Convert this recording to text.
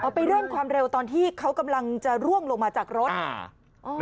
ไปเร่งความเร็วตอนที่เขากำลังจะร่วงลงมาจากรถอ่า